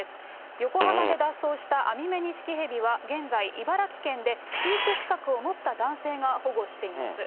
横浜で脱走したアミメニシキヘビは現在、茨城県で飼育資格を持った男性が保護しています。